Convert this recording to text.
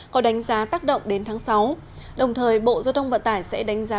có đánh giá tác động đến tháng sáu đồng thời bộ giao thông vận tải sẽ đánh giá